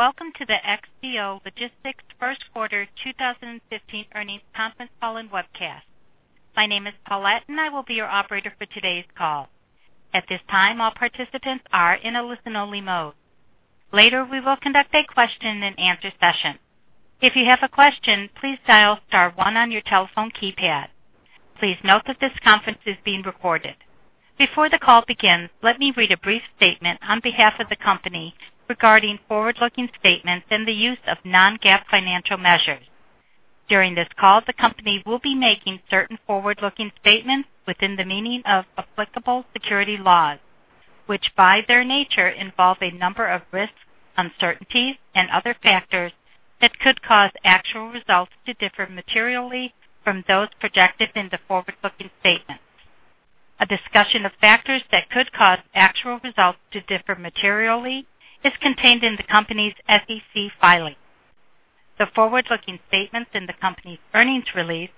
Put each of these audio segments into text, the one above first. Welcome to the XPO Logistics first quarter 2015 earnings conference call and webcast. My name is Paulette, and I will be your operator for today's call. At this time, all participants are in a listen-only mode. Later, we will conduct a question-and-answer session. If you have a question, please dial star one on your telephone keypad. Please note that this conference is being recorded. Before the call begins, let me read a brief statement on behalf of the company regarding forward-looking statements and the use of non-GAAP financial measures. During this call, the company will be making certain forward-looking statements within the meaning of applicable security laws, which, by their nature, involve a number of risks, uncertainties, and other factors that could cause actual results to differ materially from those projected in the forward-looking statements. A discussion of factors that could cause actual results to differ materially is contained in the company's SEC filings. The forward-looking statements in the company's earnings release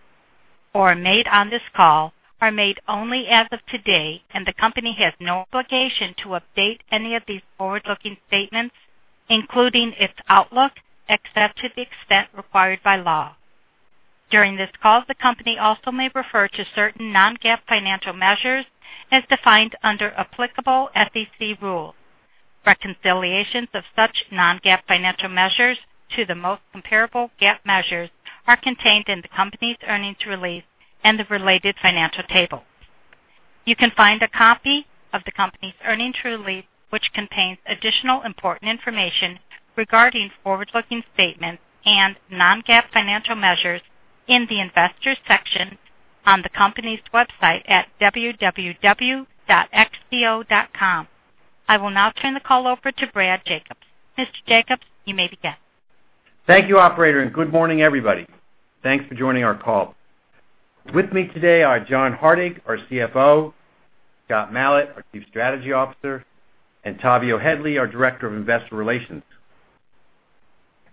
or made on this call are made only as of today, and the company has no obligation to update any of these forward-looking statements, including its outlook, except to the extent required by law. During this call, the company also may refer to certain non-GAAP financial measures as defined under applicable SEC rules. Reconciliations of such non-GAAP financial measures to the most comparable GAAP measures are contained in the company's earnings release and the related financial table. You can find a copy of the company's earnings release, which contains additional important information regarding forward-looking statements and non-GAAP financial measures, in the Investors section on the company's website at www.xpo.com. I will now turn the call over to Brad Jacobs. Mr. Jacobs, you may begin. Thank you, operator, and good morning, everybody. Thanks for joining our call. With me today are John Hardig, our CFO, Scott Malat, our Chief Strategy Officer, and Tavio Headley, our Director of Investor Relations.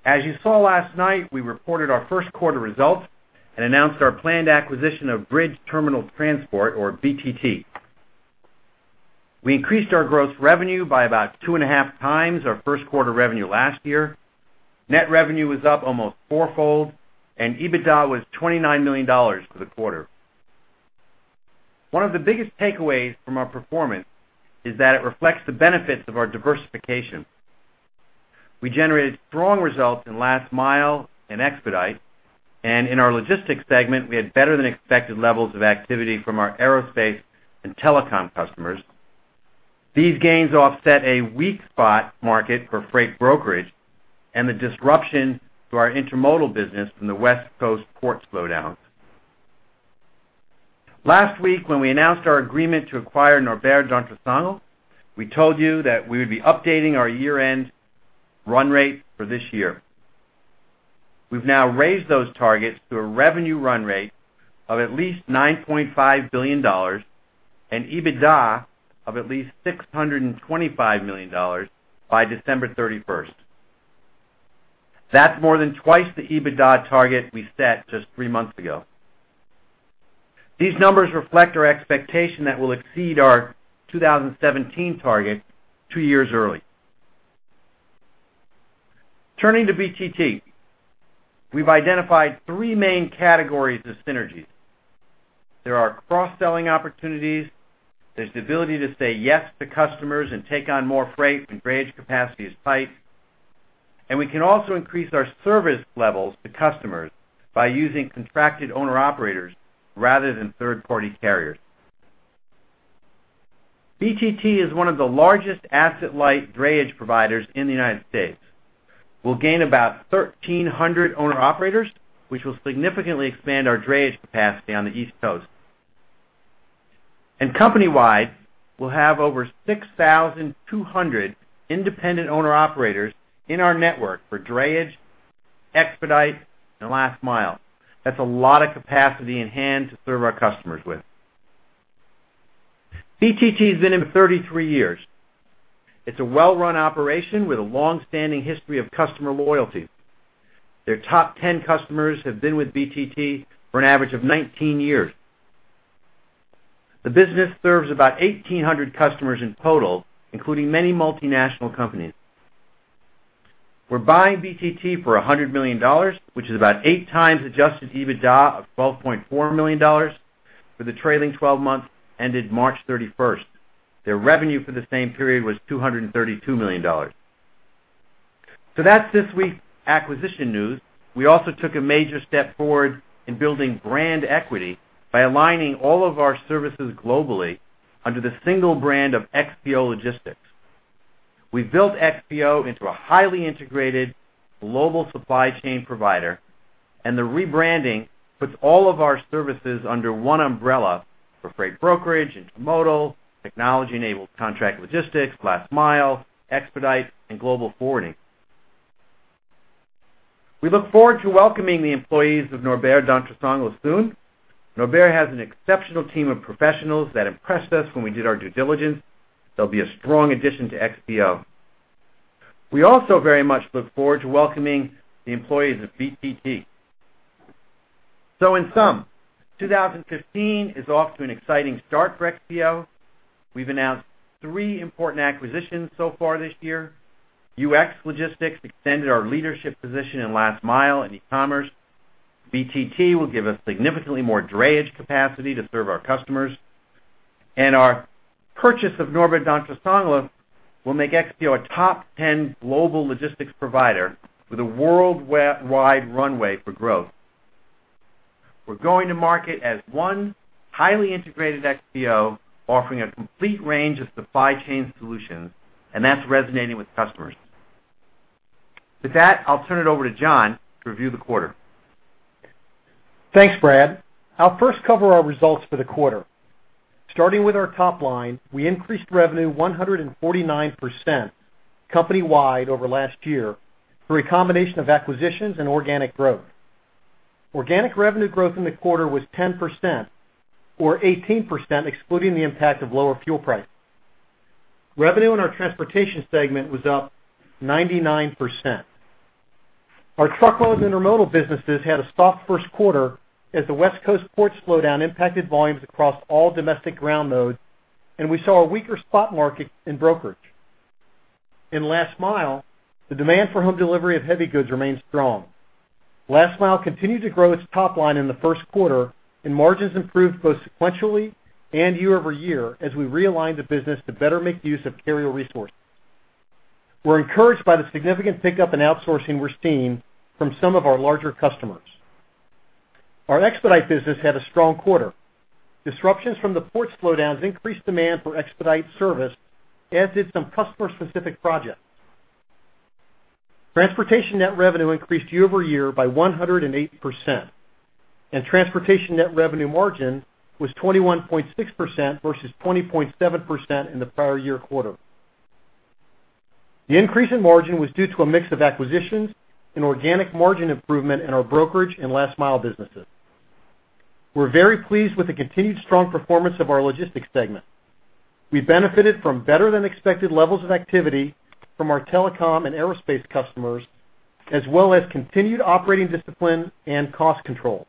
As you saw last night, we reported our first quarter results and announced our planned acquisition of Bridge Terminal Transport, or BTT. We increased our gross revenue by about 2.5x our first quarter revenue last year. Net revenue was up almost fourfold, and EBITDA was $29 million for the quarter. One of the biggest takeaways from our performance is that it reflects the benefits of our diversification. We generated strong results in last mile and expedite, and in our logistics segment, we had better-than-expected levels of activity from our aerospace and telecom customers. These gains offset a weak spot market for freight brokerage and the disruption to our intermodal business from the West Coast ports slowdown. Last week, when we announced our agreement to acquire Norbert Dentressangle, we told you that we would be updating our year-end run rate for this year. We've now raised those targets to a revenue run rate of at least $9.5 billion and EBITDA of at least $625 million by December 31st. That's more than twice the EBITDA target we set just three months ago. These numbers reflect our expectation that we'll exceed our 2017 target two years early. Turning to BTT, we've identified three main categories of synergies. There are cross-selling opportunities. There's the ability to say yes to customers and take on more freight when drayage capacity is tight. We can also increase our service levels to customers by using contracted owner-operators rather than third-party carriers. BTT is one of the largest asset-light drayage providers in the United States. We'll gain about 1,300 owner-operators, which will significantly expand our drayage capacity on the East Coast. Company-wide, we'll have over 6,200 independent owner-operators in our network for drayage, expedite, and last mile. That's a lot of capacity in hand to serve our customers with. BTT has been in for 33 years. It's a well-run operation with a long-standing history of customer loyalty. Their top 10 customers have been with BTT for an average of 19 years. The business serves about 1,800 customers in total, including many multinational companies. We're buying BTT for $100 million, which is about eight times adjusted EBITDA of $12.4 million for the trailing 12 months, ended March 31st. Their revenue for the same period was $232 million. That's this week's acquisition news. We also took a major step forward in building brand equity by aligning all of our services globally under the single brand of XPO Logistics. We built XPO into a highly integrated global supply chain provider, and the rebranding puts all of our services under one umbrella for freight brokerage, intermodal, technology-enabled contract logistics, last mile, expedite, and global forwarding. We look forward to welcoming the employees of Norbert Dentressangle soon. Norbert has an exceptional team of professionals that impressed us when we did our due diligence. They'll be a strong addition to XPO. We also very much look forward to welcoming the employees of BTT. So in sum, 2015 is off to an exciting start for XPO. We've announced three important acquisitions so far this year. UX Logistics extended our leadership position in last mile and e-commerce. BTT will give us significantly more drayage capacity to serve our customers, and our purchase of Norbert Dentressangle will make XPO a top 10 global logistics provider with a worldwide runway for growth. We're going to market as one highly integrated XPO, offering a complete range of supply chain solutions, and that's resonating with customers. With that, I'll turn it over to John to review the quarter. Thanks, Brad. I'll first cover our results for the quarter. Starting with our top line, we increased revenue 149% company-wide over last year, through a combination of acquisitions and organic growth. Organic revenue growth in the quarter was 10%, or 18%, excluding the impact of lower fuel prices. Revenue in our transportation segment was up 99%. Our truckload and intermodal businesses had a soft first quarter as the West Coast ports slowdown impacted volumes across all domestic ground modes, and we saw a weaker spot market in brokerage. In Last Mile, the demand for home delivery of heavy goods remains strong. Last Mile continued to grow its top line in the first quarter, and margins improved both sequentially and year-over-year as we realigned the business to better make use of carrier resources. We're encouraged by the significant pickup in outsourcing we're seeing from some of our larger customers. Our expedite business had a strong quarter. Disruptions from the ports slowdowns increased demand for expedite service, as did some customer-specific projects. Transportation net revenue increased year-over-year by 180%, and transportation net revenue margin was 21.6% versus 20.7% in the prior year quarter. The increase in margin was due to a mix of acquisitions and organic margin improvement in our brokerage and last mile businesses. We're very pleased with the continued strong performance of our logistics segment. We benefited from better-than-expected levels of activity from our telecom and aerospace customers, as well as continued operating discipline and cost controls.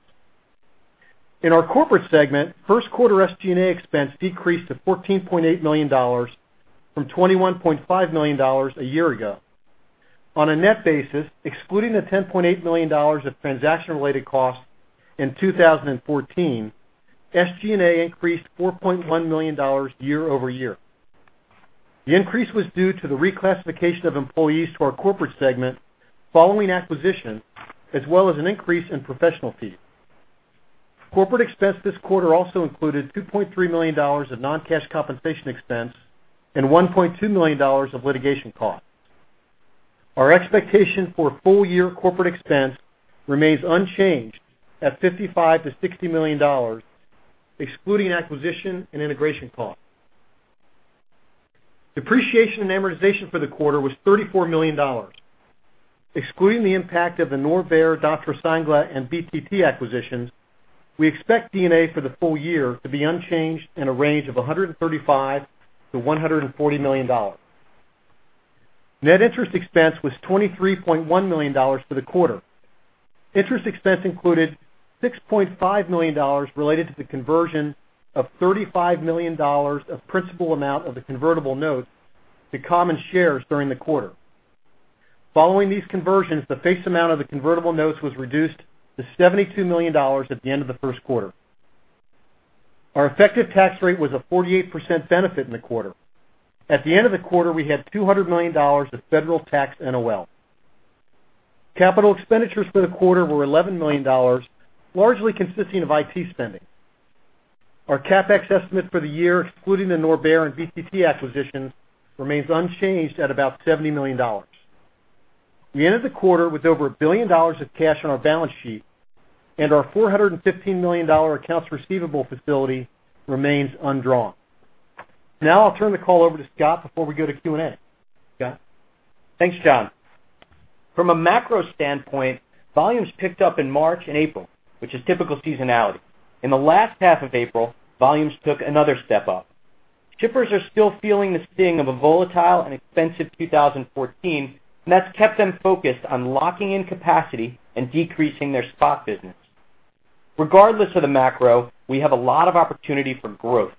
In our corporate segment, first quarter SG&A expense decreased to $14.8 million from $21.5 million a year ago. On a net basis, excluding the $10.8 million of transaction-related costs in 2014, SG&A increased $4.1 million year-over-year. The increase was due to the reclassification of employees to our corporate segment following acquisition, as well as an increase in professional fees. Corporate expense this quarter also included $2.3 million of non-cash compensation expense and $1.2 million of litigation costs. Our expectation for full-year corporate expense remains unchanged at $55 million-$60 million, excluding acquisition and integration costs. Depreciation and amortization for the quarter was $34 million. Excluding the impact of the Norbert Dentressangle and BTT acquisitions, we expect D&A for the full year to be unchanged in a range of $135 million-$140 million. Net interest expense was $23.1 million for the quarter. Interest expense included $6.5 million related to the conversion of $35 million of principal amount of the convertible notes to common shares during the quarter. Following these conversions, the face amount of the convertible notes was reduced to $72 million at the end of the first quarter. Our effective tax rate was a 48% benefit in the quarter. At the end of the quarter, we had $200 million of federal tax NOL. Capital expenditures for the quarter were $11 million, largely consisting of IT spending. Our CapEx estimate for the year, excluding the Norbert and BTT acquisitions, remains unchanged at about $70 million. We ended the quarter with over $1 billion of cash on our balance sheet, and our $415 million accounts receivable facility remains undrawn. Now I'll turn the call over to Scott before we go to Q&A. Scott? Thanks, John. From a macro standpoint, volumes picked up in March and April, which is typical seasonality. In the last half of April, volumes took another step up. Shippers are still feeling the sting of a volatile and expensive 2014, and that's kept them focused on locking in capacity and decreasing their spot business. Regardless of the macro, we have a lot of opportunity for growth.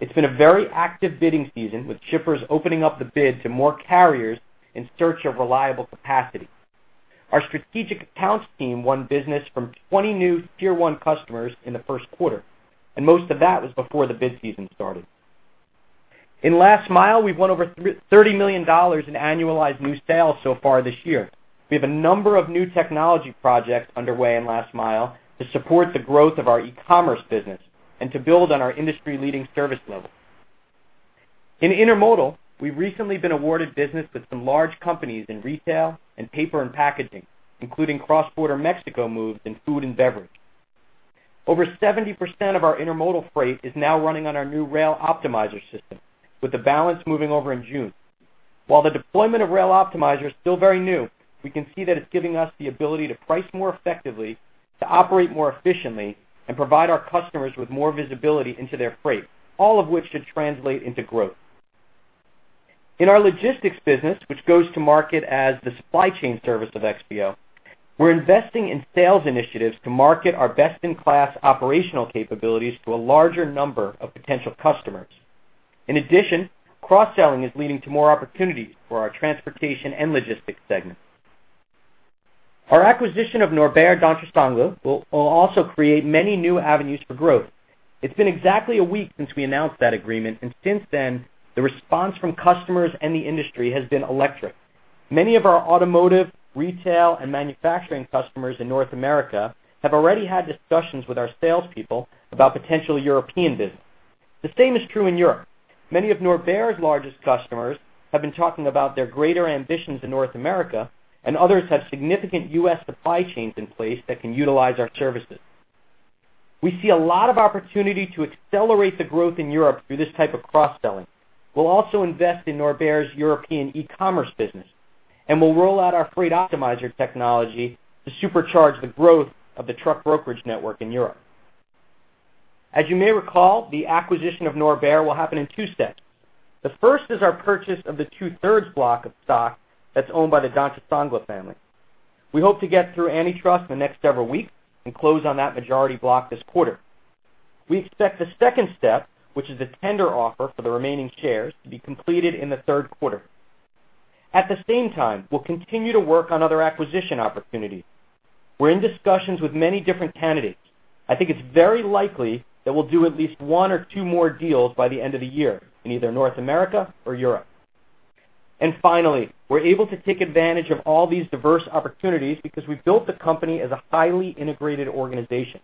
It's been a very active bidding season, with shippers opening up the bid to more carriers in search of reliable capacity. Our strategic accounts team won business from 20 new Tier 1 customers in the first quarter, and most of that was before the bid season started. In Last Mile, we've won over $30 million in annualized new sales so far this year. We have a number of new technology projects underway in Last Mile to support the growth of our e-commerce business and to build on our industry-leading service level. In Intermodal, we've recently been awarded business with some large companies in retail and paper and packaging, including cross-border Mexico moves in food and beverage. Over 70% of our intermodal freight is now running on our new Rail Optimizer system, with the balance moving over in June. While the deployment of Rail Optimizer is still very new, we can see that it's giving us the ability to price more effectively, to operate more efficiently, and provide our customers with more visibility into their freight, all of which should translate into growth. In our logistics business, which goes to market as the supply chain service of XPO, we're investing in sales initiatives to market our best-in-class operational capabilities to a larger number of potential customers. In addition, cross-selling is leading to more opportunities for our transportation and logistics segment. Our acquisition of Norbert Dentressangle will also create many new avenues for growth. It's been exactly a week since we announced that agreement, and since then, the response from customers and the industry has been electric. Many of our automotive, retail, and manufacturing customers in North America have already had discussions with our salespeople about potential European business. The same is true in Europe. Many of Norbert's largest customers have been talking about their greater ambitions in North America, and others have significant U.S. supply chains in place that can utilize our services. We see a lot of opportunity to accelerate the growth in Europe through this type of cross-selling. We'll also invest in Norbert's European e-commerce business, and we'll roll out our Freight Optimizer technology to supercharge the growth of the truck brokerage network in Europe. As you may recall, the acquisition of Norbert will happen in two steps. The first is our purchase of the 2/3 block of stock that's owned by the Dentressangle family. We hope to get through antitrust in the next several weeks and close on that majority block this quarter. We expect the second step, which is a tender offer for the remaining shares, to be completed in the third quarter. At the same time, we'll continue to work on other acquisition opportunities. We're in discussions with many different candidates. I think it's very likely that we'll do at least one or two more deals by the end of the year in either North America or Europe. And finally, we're able to take advantage of all these diverse opportunities because we built the company as a highly integrated organization.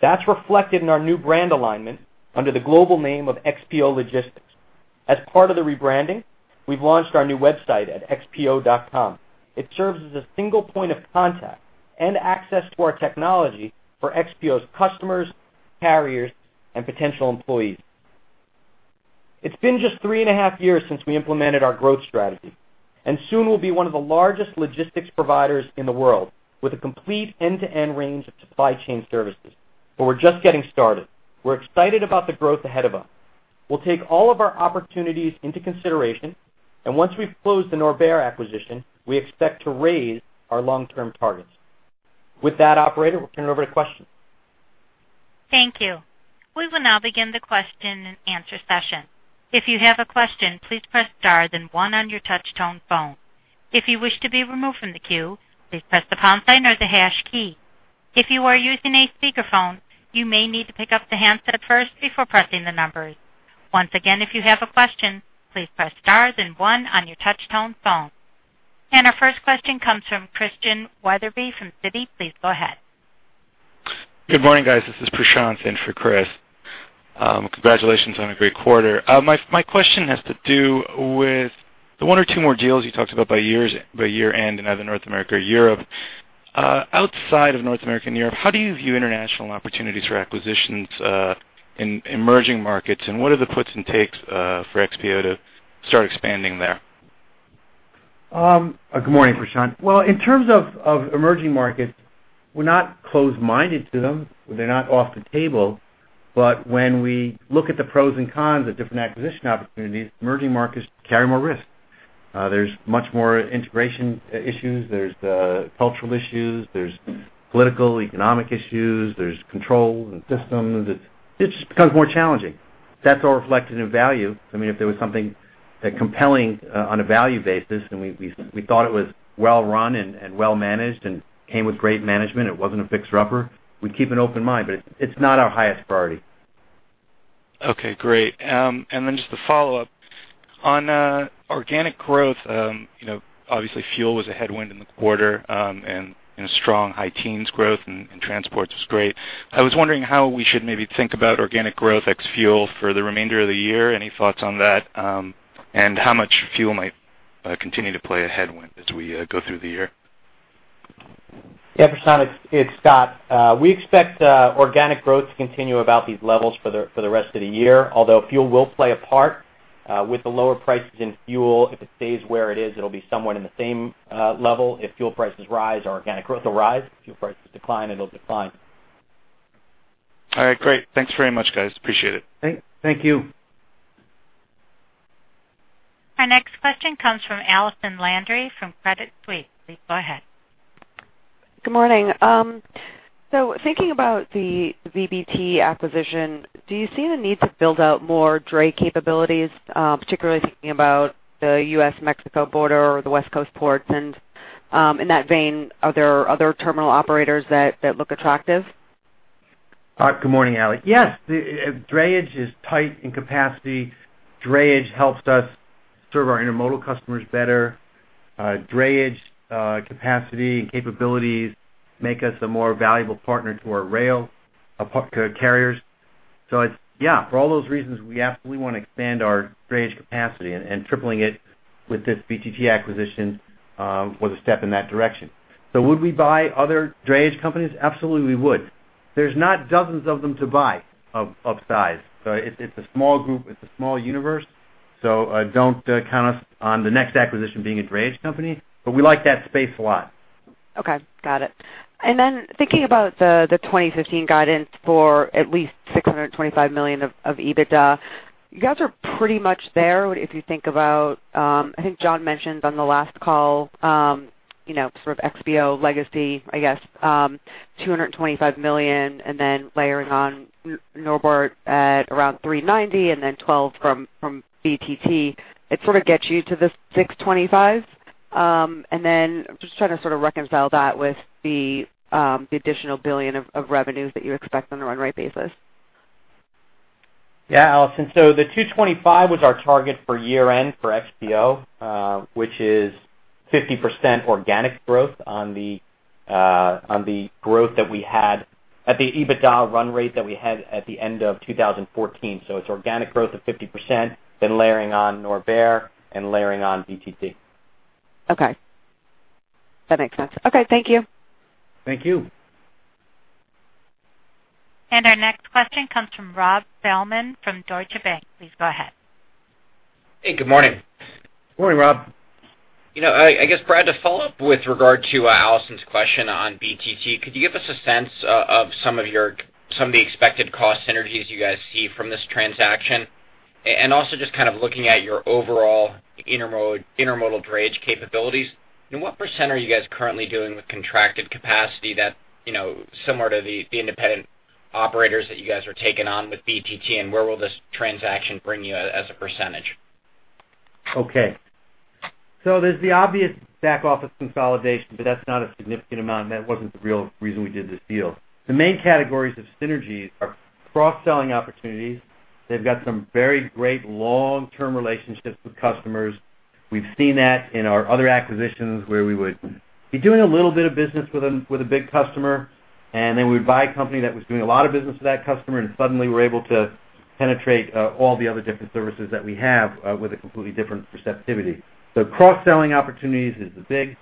That's reflected in our new brand alignment under the global name of XPO Logistics. As part of the rebranding, we've launched our new website at xpo.com. It serves as a single point of contact and access to our technology for XPO's customers, carriers, and potential employees. It's been just 3.5 years since we implemented our growth strategy, and soon we'll be one of the largest logistics providers in the world with a complete end-to-end range of supply chain services. But we're just getting started. We're excited about the growth ahead of us. We'll take all of our opportunities into consideration, and once we've closed the Norbert acquisition, we expect to raise our long-term targets. With that, operator, we'll turn it over to questions. Thank you. We will now begin the question-and-answer session. If you have a question, please press star, then one on your touch-tone phone. If you wish to be removed from the queue, please press the pound sign or the hash key. If you are using a speakerphone, you may need to pick up the handset first before pressing the numbers. Once again, if you have a question, please press star then one on your touch-tone phone. Our first question comes from Christian Wetherbee from Citi. Please go ahead. Good morning, guys. This is Prashant in for Chris. Congratulations on a great quarter. My, my question has to do with the one or two more deals you talked about by years- by year-end in either North America or Europe. Outside of North America and Europe, how do you view international opportunities for acquisitions, in emerging markets, and what are the puts and takes, for XPO to start expanding there? Good morning, Prashant. Well, in terms of emerging markets, we're not closed-minded to them. They're not off the table. But when we look at the pros and cons of different acquisition opportunities, emerging markets carry more risk. There's much more integration issues, there's the cultural issues, there's political, economic issues, there's control and systems. It's just becomes more challenging. That's all reflected in value. I mean, if there was something that compelling on a value basis, and we thought it was well-run and well-managed and came with great management, it wasn't a fixer-upper, we'd keep an open mind, but it's not our highest priority. Okay, great. And then just a follow-up. On organic growth, you know, obviously, fuel was a headwind in the quarter, and strong high teens growth and transports was great. I was wondering how we should maybe think about organic growth ex fuel for the remainder of the year. Any thoughts on that, and how much fuel might continue to play a headwind as we go through the year? Yeah, Prashant, it's, it's Scott. We expect organic growth to continue about these levels for the, for the rest of the year, although fuel will play a part. With the lower prices in fuel, if it stays where it is, it'll be somewhat in the same level. If fuel prices rise, our organic growth will rise. If fuel prices decline, it'll decline. All right, great. Thanks very much, guys. Appreciate it. Thank you. Our next question comes from Allison Landry from Credit Suisse. Please go ahead. Good morning. So thinking about the BTT acquisition, do you see the need to build out more dray capabilities, particularly thinking about the U.S.-Mexico border or the West Coast ports? In that vein, are there other terminal operators that look attractive? Good morning, Ally. Yes, the drayage is tight in capacity. Drayage helps us serve our intermodal customers better. Drayage capacity and capabilities make us a more valuable partner to our rail carriers. So it's, yeah, for all those reasons, we absolutely want to expand our drayage capacity, and tripling it with this BTT acquisition was a step in that direction. So would we buy other drayage companies? Absolutely, we would. There's not dozens of them to buy of size. So it's a small group. It's a small universe, so don't count us on the next acquisition being a drayage company, but we like that space a lot. Okay, got it. And then thinking about the 2015 guidance for at least $625 million of EBITDA, you guys are pretty much there. If you think about, I think John mentioned on the last call, you know, sort of XPO legacy, I guess, $225 million, and then layering on Norbert at around $390 million, and then $12 million from BTT, it sort of gets you to the $625 million. And then just trying to sort of reconcile that with the additional $1 billion of revenues that you expect on a run rate basis. Yeah, Allison, so the $225 millon was our target for year-end for XPO, which is 50% organic growth on the growth that we had at the EBITDA run rate that we had at the end of 2014. So it's organic growth of 50%, then layering on Norbert and layering on BTT. Okay. That makes sense. Okay. Thank you. Thank you. Our next question comes from Rob Feldman from Deutsche Bank. Please go ahead. Hey, good morning. Morning, Rob. You know, I guess, Brad, to follow up with regard to Allison's question on BTT, could you give us a sense of some of the expected cost synergies you guys see from this transaction? And also just kind of looking at your overall intermodal drayage capabilities, and what percent are you guys currently doing with contracted capacity that, you know, similar to the independent operators that you guys are taking on with BTT, and where will this transaction bring you as a percentage? Okay, so there's the obvious back office consolidation, but that's not a significant amount, and that wasn't the real reason we did this deal. The main categories of synergies are cross-selling opportunities. They've got some very great long-term relationships with customers. We've seen that in our other acquisitions, where we would be doing a little bit of business with them, with a big customer, and then we'd buy a company that was doing a lot of business with that customer, and suddenly we're able to penetrate all the other different services that we have with a completely different perspective. So cross-selling opportunities is the big.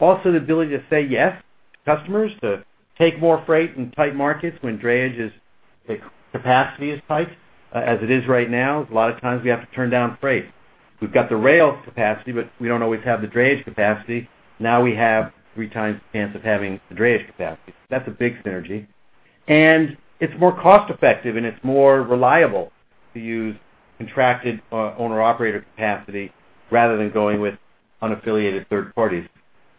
Also, the ability to say yes to customers, to take more freight in tight markets when the drayage capacity is tight, as it is right now, a lot of times we have to turn down freight. We've got the rail capacity, but we don't always have the drayage capacity. Now we have three times the chance of having the drayage capacity. That's a big synergy, and it's more cost effective, and it's more reliable to use contracted, owner-operator capacity, rather than going with unaffiliated third parties.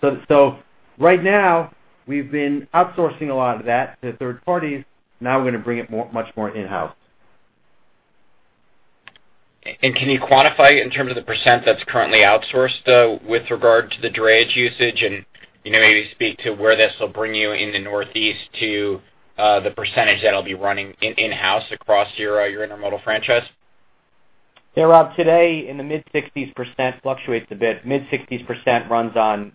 So, so right now, we've been outsourcing a lot of that to third parties. Now we're going to bring it more, much more in-house. Can you quantify in terms of the percent that's currently outsourced, though, with regard to the drayage usage, and, you know, maybe speak to where this will bring you in the Northeast to the percentage that'll be running in-house across your intermodal franchise? Yeah, Rob, today in the mid-60s% fluctuates a bit. Mid-60s% runs on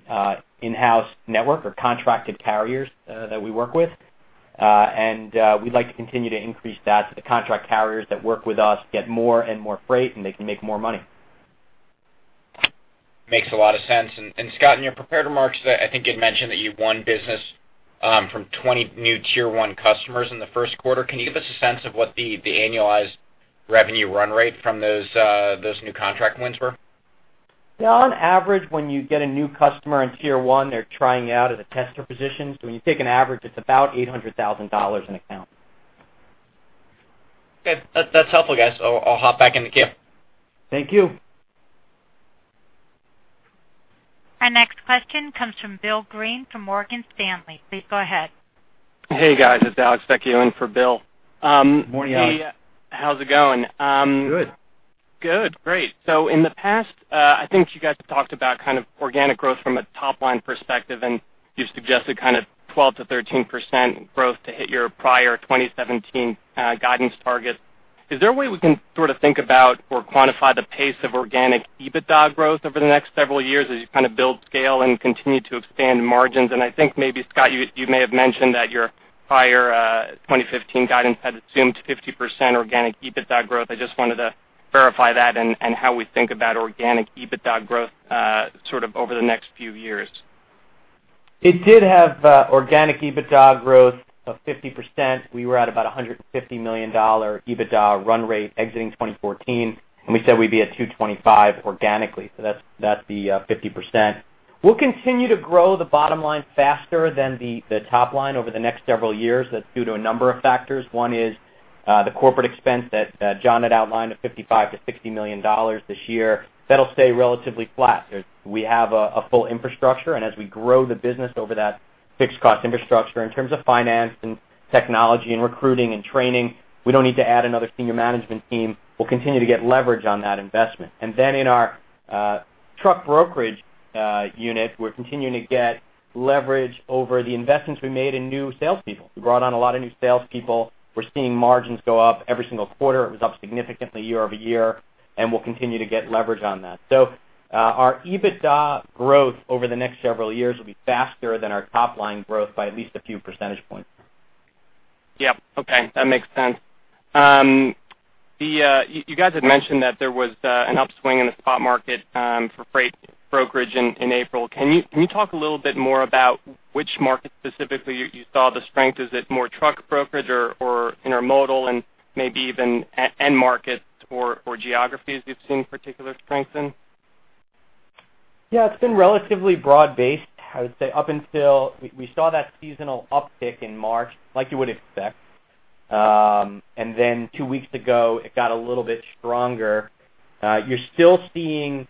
in-house network or contracted carriers that we work with. We'd like to continue to increase that. So the contract carriers that work with us get more and more freight, and they can make more money. Makes a lot of sense. And Scott, in your prepared remarks, I think you'd mentioned that you've won business from 20 new Tier 1 customers in the first quarter. Can you give us a sense of what the annualized revenue run rate from those new contract wins were? Yeah, on average, when you get a new customer in Tier 1, they're trying out as a tester position. So when you take an average, it's about $800,000 an account. Okay, that's helpful, guys. I'll hop back in the queue. Thank you. Our next question comes from Bill Greene, from Morgan Stanley. Please go ahead. Hey, guys. It's Alex sticking in for Bill. Morning, Alex. How's it going? Good. Good. Great. So in the past, I think you guys talked about kind of organic growth from a top-line perspective, and you've suggested kind of 12%-13% growth to hit your prior 2017 guidance target. Is there a way we can sort of think about or quantify the pace of organic EBITDA growth over the next several years as you kind of build scale and continue to expand margins? And I think maybe, Scott, you, you may have mentioned that your higher 2015 guidance had assumed 50% organic EBITDA growth. I just wanted to verify that and, and how we think about organic EBITDA growth, sort of over the next few years. It did have organic EBITDA growth of 50%. We were at about a $150 million EBITDA run rate exiting 2014, and we said we'd be at $225 million organically. So that's the 50%. We'll continue to grow the bottom line faster than the top line over the next several years. That's due to a number of factors. One is the corporate expense that John had outlined of $55 million-$60 million this year. That'll stay relatively flat. There's we have a full infrastructure, and as we grow the business over that fixed cost infrastructure in terms of finance and technology and recruiting and training, we don't need to add another senior management team. We'll continue to get leverage on that investment. In our truck brokerage unit, we're continuing to get leverage over the investments we made in new salespeople. We brought on a lot of new salespeople. We're seeing margins go up every single quarter. It was up significantly year-over-year, and we'll continue to get leverage on that. So, our EBITDA growth over the next several years will be faster than our top line growth by at least a few percentage points. Yeah. Okay, that makes sense. You guys had mentioned that there was an upswing in the spot market for freight brokerage in April. Can you talk a little bit more about which market specifically you saw the strength? Is it more truck brokerage or intermodal and maybe even end markets or geographies you've seen particular strength in? Yeah, it's been relatively broad-based. I would say up until we saw that seasonal uptick in March, like you would expect. And then two weeks ago, it got a little bit stronger. You're still seeing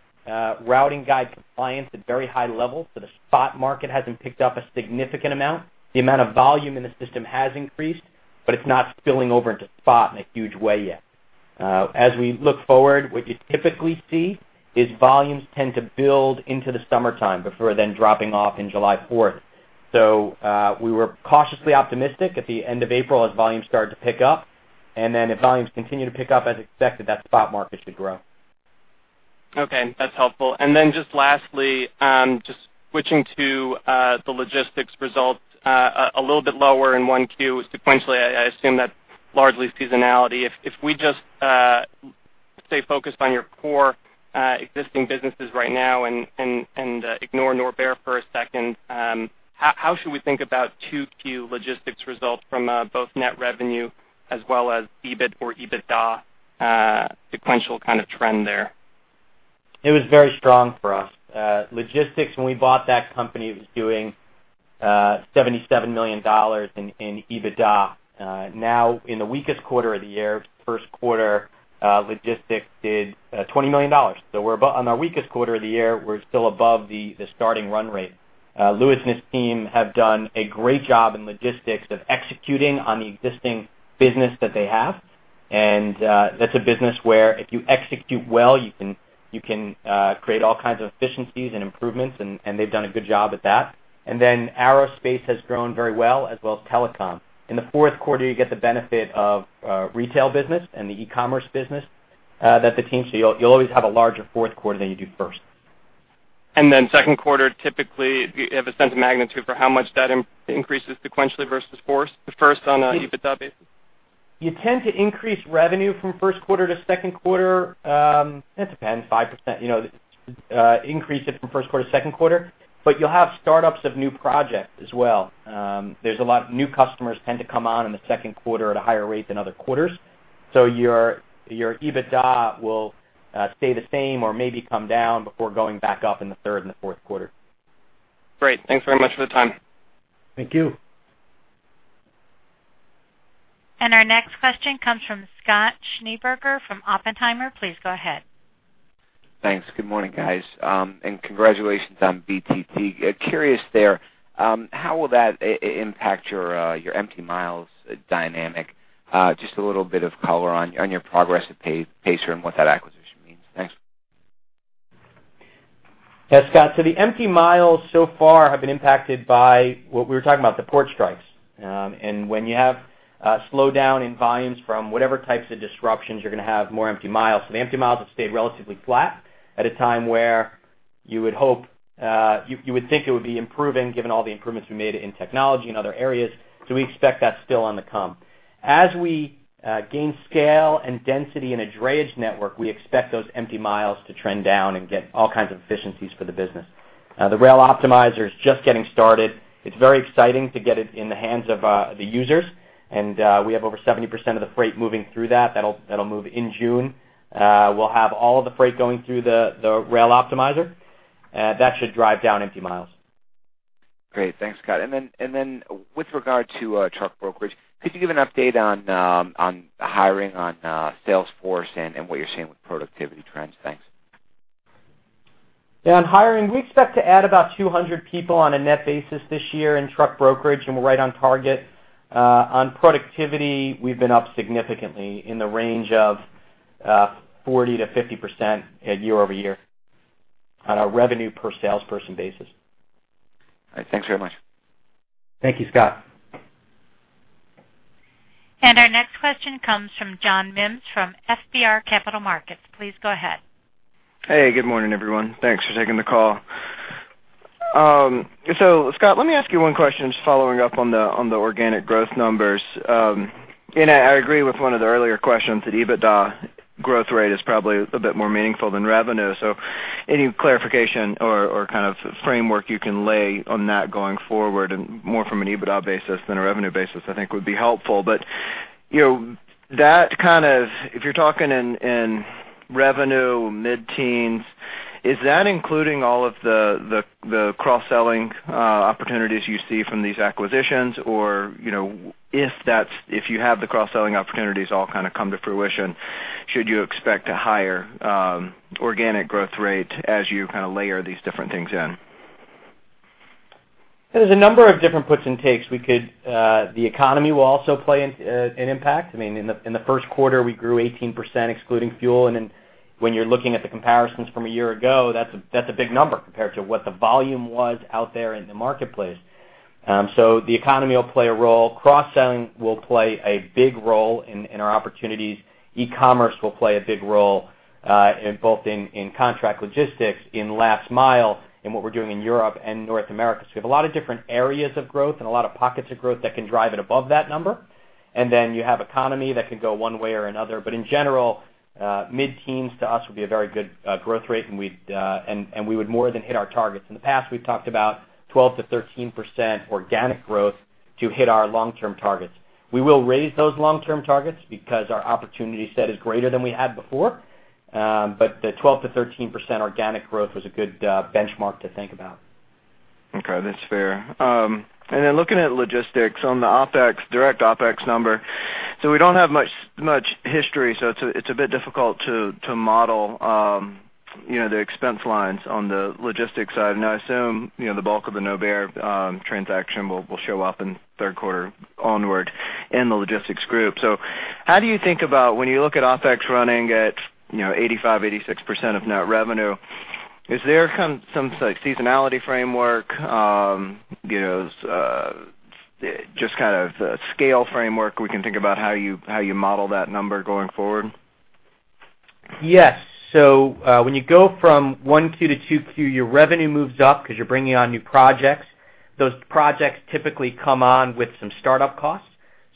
routing guide compliance at very high levels, so the spot market hasn't picked up a significant amount. The amount of volume in the system has increased, but it's not spilling over into spot in a huge way yet. As we look forward, what you typically see is volumes tend to build into the summertime before then dropping off in July 4th. So, we were cautiously optimistic at the end of April as volumes started to pick up, and then if volumes continue to pick up as expected, that spot market should grow. Okay, that's helpful. And then just lastly, just switching to the logistics results, a little bit lower in 1Q sequentially, I assume that's largely seasonality. If we just stay focused on your core existing businesses right now and ignore Norbert for a second, how should we think about 2Q logistics results from both net revenue as well as EBIT or EBITDA, sequential kind of trend there? It was very strong for us. Logistics, when we bought that company, it was doing $77 million in EBITDA. Now, in the weakest quarter of the year, first quarter, logistics did $20 million. So we're about on our weakest quarter of the year, we're still above the starting run rate. Louis and his team have done a great job in logistics of executing on the existing business that they have. And that's a business where if you execute well, you can, you can create all kinds of efficiencies and improvements, and they've done a good job at that. And then aerospace has grown very well, as well as telecom. In the fourth quarter, you get the benefit of retail business and the e-commerce business that the team... So you'll always have a larger fourth quarter than you do first. And then second quarter, typically, do you have a sense of magnitude for how much that increases sequentially versus fourth, the first on an EBITDA basis? You tend to increase revenue from first quarter to second quarter. It depends, 5%, you know, increase it from first quarter to second quarter, but you'll have startups of new projects as well. There's a lot of new customers tend to come on in the second quarter at a higher rate than other quarters. So your EBITDA will stay the same or maybe come down before going back up in the third and the fourth quarter. Great. Thanks very much for the time. Thank you. And our next question comes from Scott Schneeberger from Oppenheimer. Please go ahead. Thanks. Good morning, guys. And congratulations on BTT. Curious there, how will that impact your, your empty miles dynamic? Just a little bit of color on your progress at Pacer and what that acquisition means. Thanks. Yeah, Scott, so the empty miles so far have been impacted by what we were talking about, the port strikes. And when you have a slowdown in volumes from whatever types of disruptions, you're going to have more empty miles. So the empty miles have stayed relatively flat at a time where you would hope, you would think it would be improving, given all the improvements we made in technology and other areas. So we expect that's still on the come. As we gain scale and density in a drayage network, we expect those empty miles to trend down and get all kinds of efficiencies for the business. The Rail Optimizer is just getting started. It's very exciting to get it in the hands of the users, and we have over 70% of the freight moving through that. That'll move in June. We'll have all of the freight going through the Rail Optimizer. That should drive down empty miles. Great. Thanks, Scott. And then with regard to truck brokerage, could you give an update on hiring, on sales force and what you're seeing with productivity trends? Thanks. Yeah, on hiring, we expect to add about 200 people on a net basis this year in truck brokerage, and we're right on target. On productivity, we've been up significantly in the range of 40%-50% year-over-year on a revenue per salesperson basis. All right. Thanks very much. Thank you, Scott. Our next question comes from John Mims from FBR Capital Markets. Please go ahead. Hey, good morning, everyone. Thanks for taking the call. So Scott, let me ask you one question, just following up on the organic growth numbers. And I agree with one of the earlier questions, that EBITDA growth rate is probably a bit more meaningful than revenue. So any clarification or kind of framework you can lay on that going forward, and more from an EBITDA basis than a revenue basis, I think would be helpful. But you know, that kind of, if you're talking in revenue, mid-teens, is that including all of the cross-selling opportunities you see from these acquisitions? Or you know, if that's- if you have the cross-selling opportunities all kind of come to fruition, should you expect a higher organic growth rate as you kind of layer these different things in? There's a number of different puts and takes. We could, the economy will also play an, an impact. I mean, in the, in the first quarter, we grew 18%, excluding fuel, and then when you're looking at the comparisons from a year ago, that's a, that's a big number compared to what the volume was out there in the marketplace. So the economy will play a role. Cross-selling will play a big role in, in our opportunities. E-commerce will play a big role, in both in, in contract logistics, in last mile, and what we're doing in Europe and North America. So we have a lot of different areas of growth and a lot of pockets of growth that can drive it above that number. And then you have economy that can go one way or another. But in general, mid-teens to us would be a very good growth rate, and we would more than hit our targets. In the past, we've talked about 12%-13% organic growth to hit our long-term targets. We will raise those long-term targets because our opportunity set is greater than we had before. But the 12%-13% organic growth was a good benchmark to think about. Okay, that's fair. And then looking at logistics on the OpEx, direct OpEx number, so we don't have much history, so it's a bit difficult to model, you know, the expense lines on the logistics side. Now, I assume, you know, the bulk of the Norbert transaction will show up in third quarter onward in the logistics group. So how do you think about when you look at OpEx running at, you know, 85%-86% of net revenue, is there some seasonality framework, you know, just kind of scale framework we can think about how you model that number going forward? Yes. So, when you go from 1Q to 2Q, your revenue moves up because you're bringing on new projects. Those projects typically come on with some startup costs,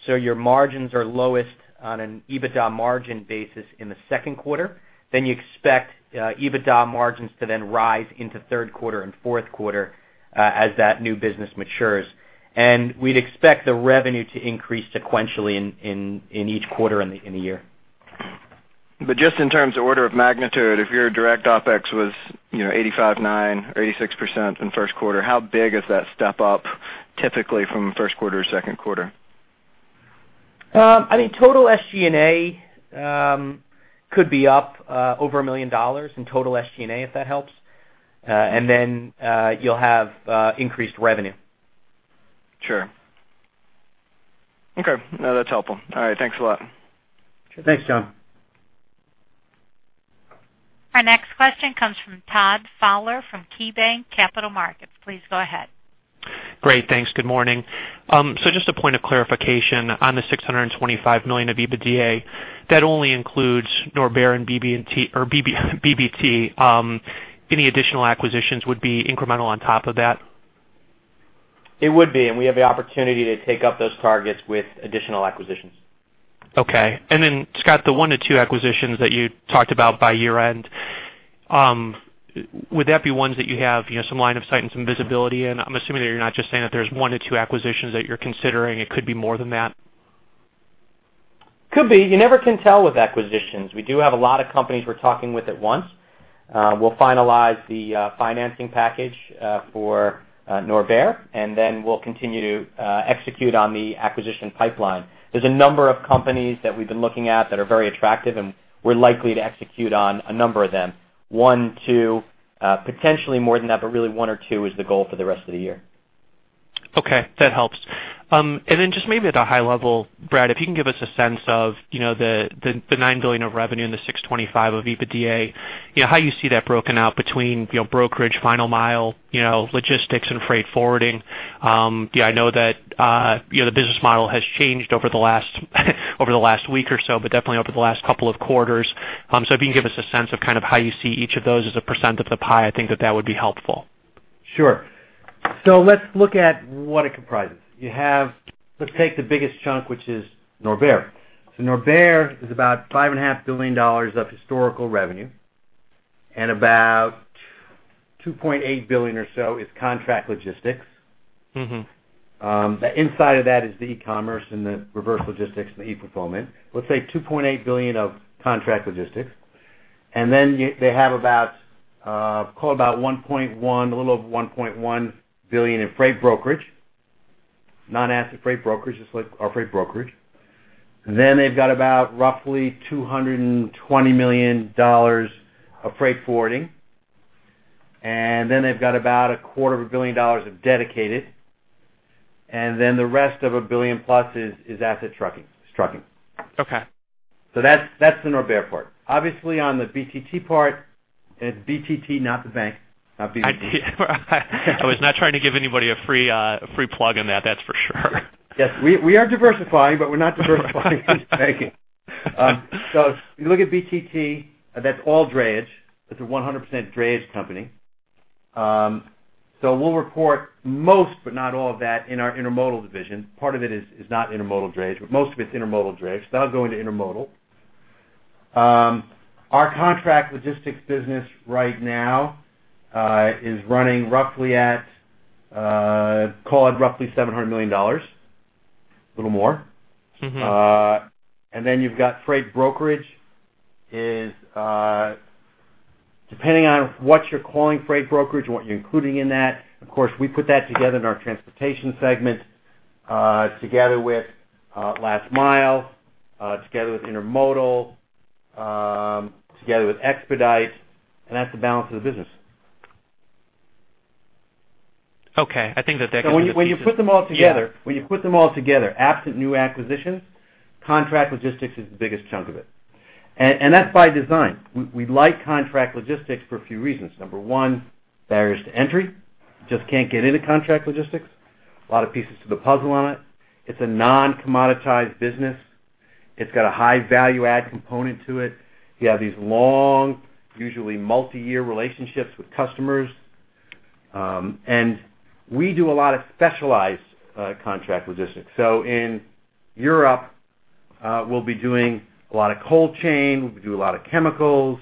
so your margins are lowest on an EBITDA margin basis in the second quarter. Then you expect EBITDA margins to then rise into third quarter and fourth quarter, as that new business matures. And we'd expect the revenue to increase sequentially in each quarter in the year. Just in terms of order of magnitude, if your direct OpEx was, you know, 85.9% or 86% in first quarter, how big is that step up typically from first quarter to second quarter? I mean, total SG&A could be up over $1 million in total SG&A, if that helps. And then, you'll have increased revenue. Sure. Okay, no, that's helpful. All right. Thanks a lot. Thanks, John. Our next question comes from Todd Fowler from KeyBanc Capital Markets. Please go ahead. Great, thanks. Good morning. So just a point of clarification on the $625 million of EBITDA, that only includes Norbert and BTT. Any additional acquisitions would be incremental on top of that? It would be, and we have the opportunity to take up those targets with additional acquisitions. Okay. And then, Scott, the 1-2 acquisitions that you talked about by year-end, would that be ones that you have, you know, some line of sight and some visibility in? I'm assuming that you're not just saying that there's 1-2 acquisitions that you're considering. It could be more than that. Could be. You never can tell with acquisitions. We do have a lot of companies we're talking with at once. We'll finalize the financing package for Norbert, and then we'll continue to execute on the acquisition pipeline. There's a number of companies that we've been looking at that are very attractive, and we're likely to execute on a number of them, one, two, potentially more than that, but really, one or two is the goal for the rest of the year. Okay, that helps. And then just maybe at a high level, Brad, if you can give us a sense of, you know, the $9 billion of revenue and the $625 million of EBITDA, you know, how you see that broken out between, you know, brokerage, final mile, you know, logistics and freight forwarding. Yeah, I know that, you know, the business model has changed over the last, over the last week or so, but definitely over the last couple of quarters. So if you can give us a sense of kind of how you see each of those as a percent of the pie, I think that that would be helpful. Sure. So let's look at what it comprises. You have, let's take the biggest chunk, which is Norbert. So Norbert is about $5.5 billion of historical revenue, and about $2.8 billion or so is contract logistics. Mm-hmm. The inside of that is the E-commerce and the Reverse Logistics and the E-fulfillment. Let's say $2.8 billion of Contract Logistics. And then you-- they have about, call it about $1.1 billion, a little over $1.1 billion in Freight Brokerage, non-asset Freight Brokerage, just like our Freight Brokerage. Then they've got about roughly $220 million of Freight Forwarding, and then they've got about $250 million of dedicated, and then the rest of $1 billion+ is asset trucking, trucking. Okay. So that's, that's the Norbert part. Obviously, on the BTT part, it's BTT, not the bank, not BB&T. I was not trying to give anybody a free, a free plug in that, that's for sure. Yes, we are diversifying, but we're not diversifying banking. So if you look at BTT, that's all drayage. It's a 100% drayage company. So we'll report most, but not all of that in our intermodal division. Part of it is not intermodal drayage, but most of it's intermodal drayage, so that'll go into intermodal. Our contract logistics business right now is running roughly at, call it roughly $700 million, a little more. Mm-hmm. And then you've got freight brokerage is depending on what you're calling freight brokerage and what you're including in that. Of course, we put that together in our transportation segment, together with last mile, together with intermodal, together with expedite, and that's the balance of the business. Okay, I think that that gives. So when you, when you put them all together. Yeah. When you put them all together, absent new acquisitions, contract logistics is the biggest chunk of it. And that's by design. We like contract logistics for a few reasons. Number one, barriers to entry. Just can't get into contract logistics. A lot of pieces to the puzzle on it. It's a non-commoditized business. It's got a high value add component to it. You have these long, usually multi-year relationships with customers. And we do a lot of specialized contract logistics. So in Europe, we'll be doing a lot of cold chain, we'll be doing a lot of chemicals,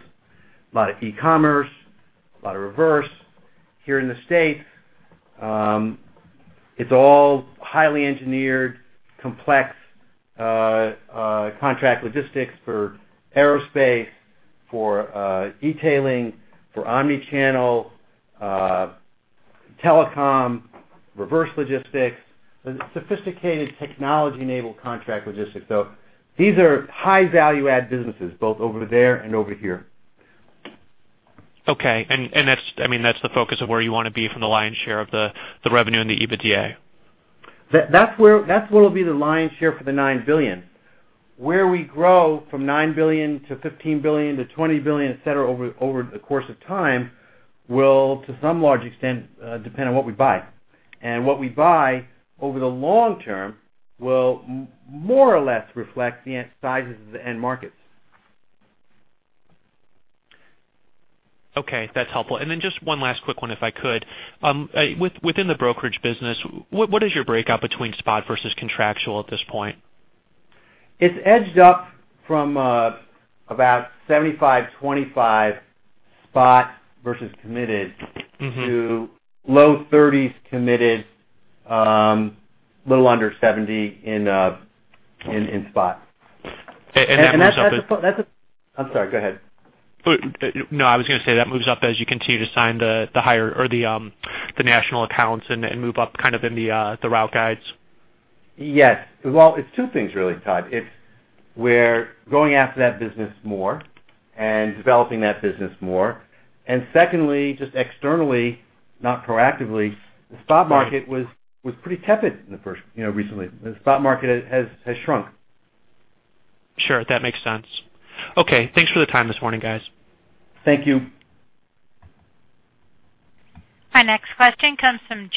a lot of e-commerce, a lot of reverse. Here in the States, it's all highly engineered, complex contract logistics for aerospace, for detailing, for omni-channel, telecom, reverse logistics, and sophisticated technology-enabled contract logistics. These are high value-add businesses, both over there and over here. Okay. And that's, I mean, that's the focus of where you want to be from the lion's share of the revenue and the EBITDA. That's where, that's what will be the lion's share for the $9 billion. Where we grow from $9 billion to $15 billion to $20 billion, et cetera, over the course of time, will to some large extent depend on what we buy. And what we buy over the long term will more or less reflect the sizes of the end markets. Okay, that's helpful. And then just one last quick one, if I could. Within the brokerage business, what is your breakout between spot versus contractual at this point? It's edged up from about 75/25 spot versus committed. Mm-hmm. To low 30s committed, little under 70 in spot. And that moves up. That's, I'm sorry, go ahead. But, no, I was gonna say that moves up as you continue to sign the higher or the national accounts and move up kind of in the route guides. Yes. Well, it's two things, really, Todd. It's, we're going after that business more and developing that business more. And secondly, just externally, not proactively, the spot market was pretty tepid in the first, you know, recently. The spot market has shrunk. Sure. That makes sense. Okay, thanks for the time this morning, guys. Thank you. Our next question comes from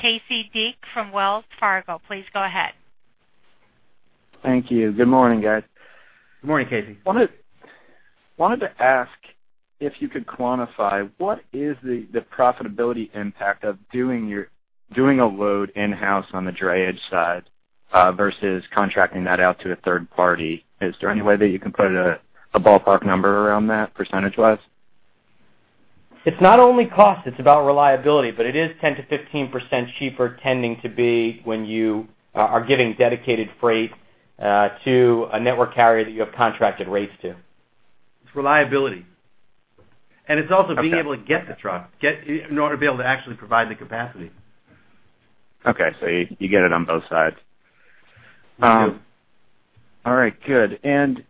Casey Deak from Wells Fargo. Please go ahead. Thank you. Good morning, guys. Good morning, Casey. Wanted to ask if you could quantify what is the profitability impact of doing a load in-house on the drayage side versus contracting that out to a third party? Is there any way that you can put a ballpark number around that, percentage-wise? It's not only cost, it's about reliability, but it is 10%-15% cheaper, tending to be when you are giving dedicated freight to a network carrier that you have contracted rates to. It's reliability. It's also being able to get the truck in order to be able to actually provide the capacity. Okay, so you get it on both sides. All right, good. And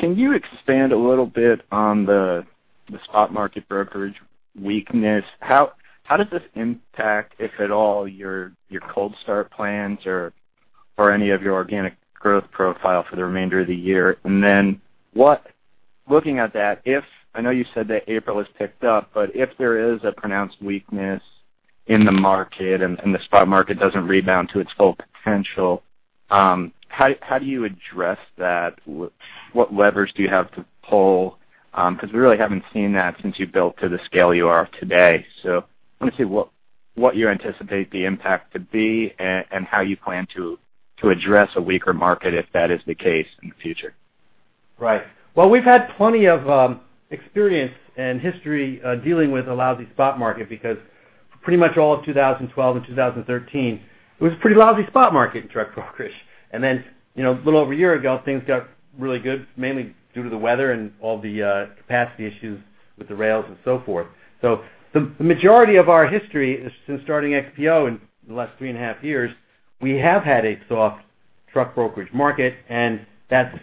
can you expand a little bit on the spot market brokerage weakness? How does this impact, if at all, your cold start plans or any of your organic growth profile for the remainder of the year? And then, looking at that, if I know you said that April has picked up, but if there is a pronounced weakness in the market and the spot market doesn't rebound to its full potential, how do you address that? What levers do you have to pull? Because we really haven't seen that since you've built to the scale you are today. So I want to see what you anticipate the impact to be, and how you plan to address a weaker market, if that is the case in the future. Right. Well, we've had plenty of experience and history dealing with a lousy spot market, because pretty much all of 2012 and 2013, it was a pretty lousy spot market in truck brokerage. And then, you know, a little over a year ago, things got really good, mainly due to the weather and all the capacity issues with the rails and so forth. So the majority of our history since starting XPO in the last 3.5 years, we have had a soft truck brokerage market, and that's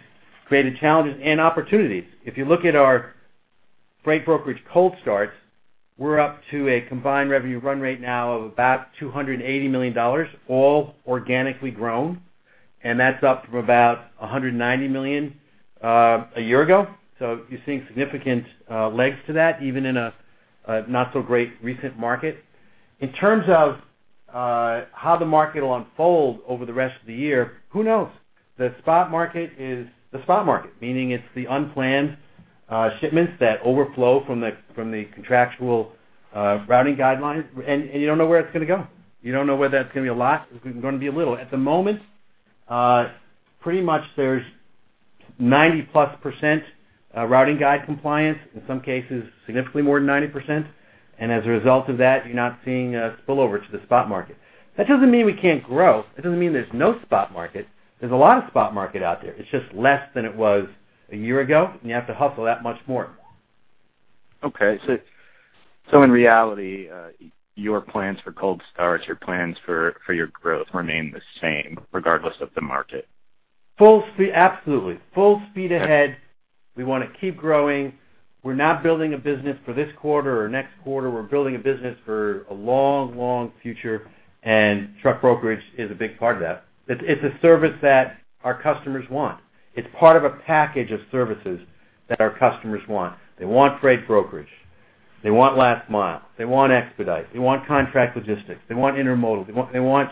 created challenges and opportunities. If you look at our freight brokerage cold start, we're up to a combined revenue run rate now of about $280 million, all organically grown, and that's up from about $190 million a year ago. So you're seeing significant legs to that, even in a not-so-great recent market. In terms of how the market will unfold over the rest of the year, who knows? The spot market is the spot market, meaning it's the unplanned shipments that overflow from the contractual routing guidelines, and you don't know where it's gonna go. You don't know whether that's gonna be a lot, it's gonna be a little. At the moment, pretty much there's +90% routing guide compliance, in some cases, significantly more than 90%. And as a result of that, you're not seeing a spillover to the spot market. That doesn't mean we can't grow. That doesn't mean there's no spot market. There's a lot of spot market out there. It's just less than it was a year ago, and you have to hustle that much more. Okay, so in reality, your plans for cold start, your plans for your growth remain the same regardless of the market? Full speed. Absolutely. Full speed ahead. We want to keep growing. We're not building a business for this quarter or next quarter. We're building a business for a long, long future, and truck brokerage is a big part of that. It's, it's a service that our customers want. It's part of a package of services that our customers want. They want freight brokerage, they want last mile, they want expedite, they want contract logistics, they want intermodal. They want,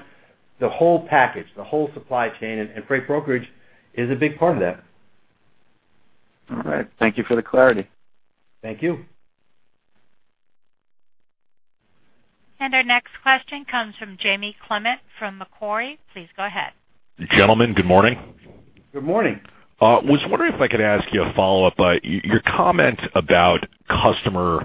they want the whole package, the whole supply chain, and freight brokerage is a big part of that. All right. Thank you for the clarity. Thank you. Our next question comes from Jamie Clement, from Macquarie. Please go ahead. Gentlemen, good morning. Good morning. Was wondering if I could ask you a follow-up. Your comment about customer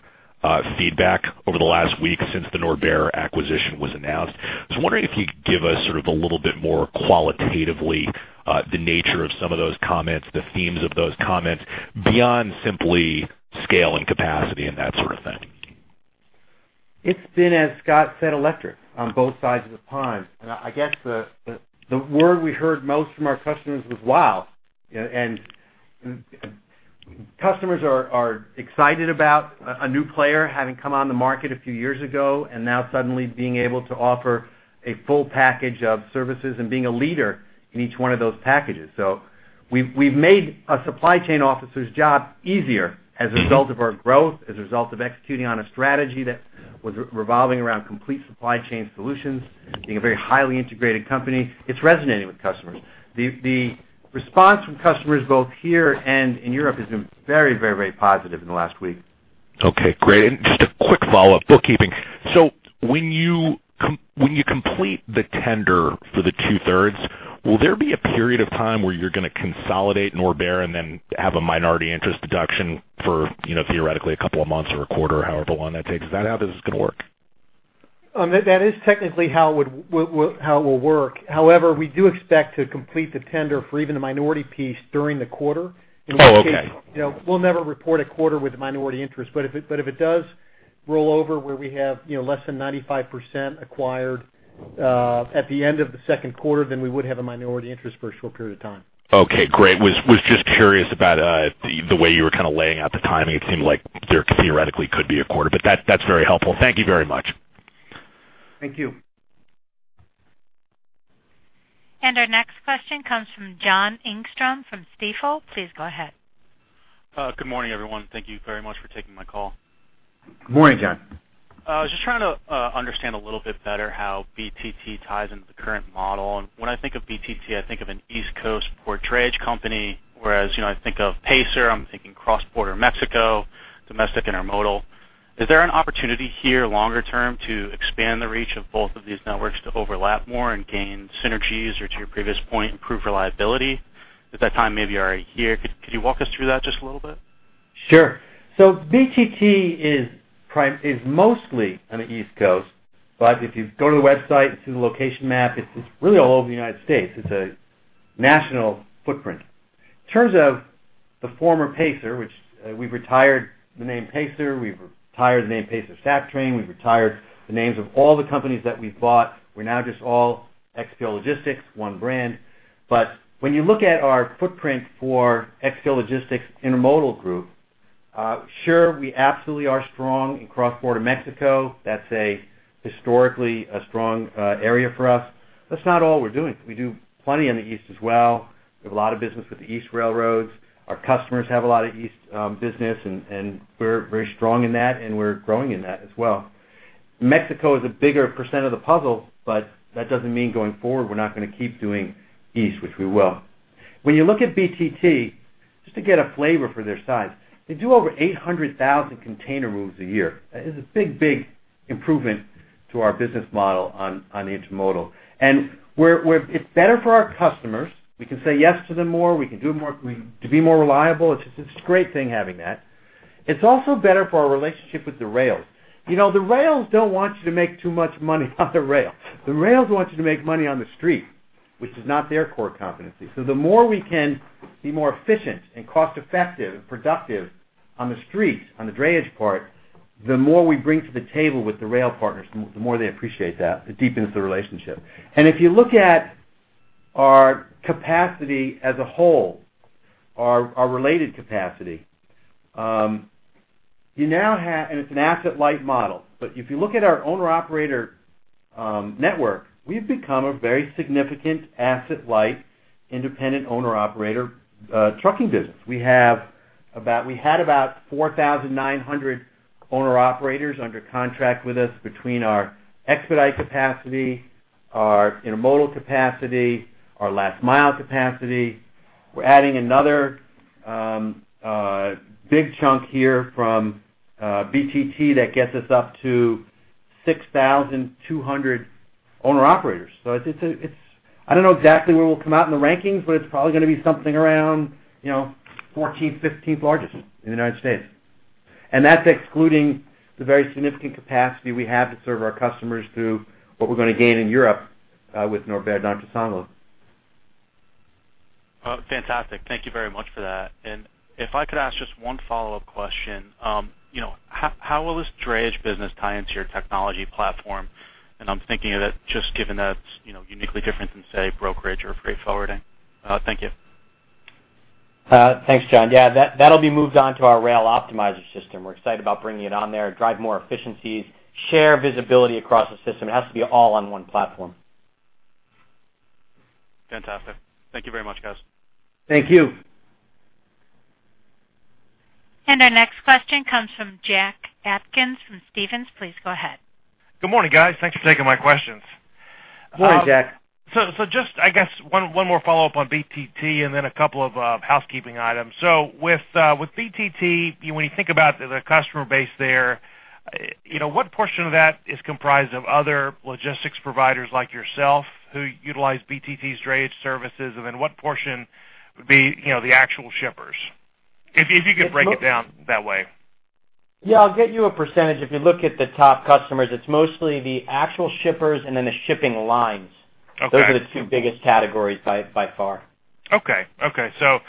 feedback over the last week since the Norbert acquisition was announced. I was wondering if you could give us sort of a little bit more qualitatively, the nature of some of those comments, the themes of those comments, beyond simply scale and capacity and that sort of thing. It's been, as Scott said, electric on both sides of the pond. And I guess the word we heard most from our customers was wow! And customers are excited about a new player having come on the market a few years ago, and now suddenly being able to offer a full package of services and being a leader in each one of those packages. So we've made a supply chain officer's job easier as a result of our growth, as a result of executing on a strategy that was revolving around complete supply chain solutions, being a very highly integrated company. It's resonating with customers. The response from customers, both here and in Europe, has been very, very, very positive in the last week. Okay, great. And just a quick follow-up. Bookkeeping. So when you complete the tender for the 2/3, will there be a period of time where you're going to consolidate Norbert and then have a minority interest deduction for, you know, theoretically, a couple of months or a quarter, however long that takes? Is that how this is going to work? That is technically how it would, how it will work. However, we do expect to complete the tender for even the minority piece during the quarter. Oh, okay. You know, we'll never report a quarter with minority interest, but if it, but if it does roll over where we have, you know, less than 95% acquired, at the end of the second quarter, then we would have a minority interest for a short period of time. Okay, great. I was just curious about the way you were kind of laying out the timing. It seemed like there theoretically could be a quarter, but that's very helpful. Thank you very much. Thank you. Our next question comes from John Engstrom from Stifel. Please go ahead. Good morning, everyone. Thank you very much for taking my call. Good morning, John. I was just trying to understand a little bit better how BTT ties into the current model. And when I think of BTT, I think of an East Coast port drayage company, whereas, you know, I think of Pacer, I'm thinking cross-border Mexico, domestic intermodal. Is there an opportunity here, longer term, to expand the reach of both of these networks to overlap more and gain synergies, or to your previous point, improve reliability? Is that time maybe already here? Could you walk us through that just a little bit? Sure. So BTT is mostly on the East Coast, but if you go to the website and see the location map, it's really all over the United States. It's a national footprint. In terms of the former Pacer, which we've retired the name Pacer, we've retired the name Pacer Stacktrain, we've retired the names of all the companies that we've bought. We're now just all XPO Logistics, one brand. But when you look at our footprint for XPO Logistics Intermodal group, sure, we absolutely are strong in cross-border Mexico. That's historically a strong area for us. That's not all we're doing. We do plenty in the East as well. We have a lot of business with the East railroads. Our customers have a lot of East business, and we're very strong in that, and we're growing in that as well. Mexico is a bigger percent of the puzzle, but that doesn't mean going forward, we're not going to keep doing East, which we will. When you look at BTT, just to get a flavor for their size, they do over 800,000 container moves a year. That is a big, big improvement to our business model on the intermodal. And it's better for our customers. We can say yes to them more. We can do more, to be more reliable. It's just a great thing having that. It's also better for our relationship with the rails. You know, the rails don't want you to make too much money on the rail. The rails want you to make money on the street, which is not their core competency. So the more we can be more efficient and cost-effective and productive on the streets, on the drayage part, the more we bring to the table with the rail partners, the more they appreciate that. It deepens the relationship. If you look at our capacity as a whole, our related capacity, you now have, it's an asset-light model, but if you look at our owner-operator network, we've become a very significant asset-light, independent owner-operator trucking business. We had about 4,900 owner-operators under contract with us between our expedite capacity, our intermodal capacity, our last mile capacity. We're adding another big chunk here from BTT, that gets us up to 6,200 owner-operators. So it's. I don't know exactly where we'll come out in the rankings, but it's probably going to be something around, you know, 14th, 15th largest in the United States. And that's excluding the very significant capacity we have to serve our customers through what we're going to gain in Europe with Norbert Dentressangle. Oh, fantastic. Thank you very much for that. If I could ask just one follow-up question. You know, how, how will this drayage business tie into your technology platform? I'm thinking of that just given that it's, you know, uniquely different than, say, brokerage or freight forwarding. Thank you. Thanks, John. Yeah, that, that'll be moved on to our Rail Optimizer system. We're excited about bringing it on there, drive more efficiencies, share visibility across the system. It has to be all on one platform. Fantastic. Thank you very much, guys. Thank you. Our next question comes from Jack Atkins from Stephens. Please go ahead. Good morning, guys. Thanks for taking my questions. Morning, Jack. So just, I guess, one more follow-up on BTT and then a couple of housekeeping items. So with BTT, when you think about the customer base there, you know, what portion of that is comprised of other logistics providers like yourself, who utilize BTT's drayage services, and then what portion would be the actual shippers? If you could break it down that way. Yeah, I'll get you a percentage. If you look at the top customers, it's mostly the actual shippers and then the shipping lines. Okay. Those are the two biggest categories by far. Okay, okay. So,